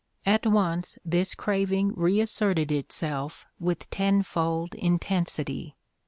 At once this craving reasserted itself with tenfold intensity.